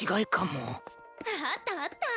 あったあった！